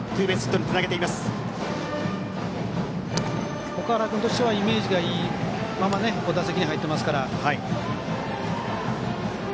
岳原君としてはイメージがいいまま打席に入っていますから。